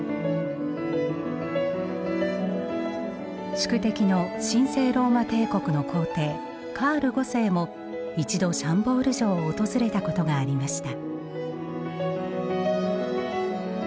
宿敵の神聖ローマ帝国の皇帝カール五世も一度シャンボール城を訪れたことがありました。